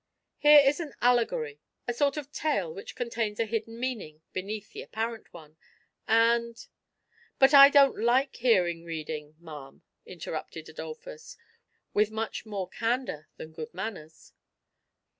*' Here is an allegory — a sort of tale which contains a hidden meaning beneath the apparent one — and"— " But I don't like hearing reading, ma'am," interrupted Adolphus, with much more candour than good manners.